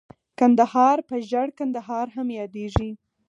کندهار په ژړ کندهار هم ياديږي.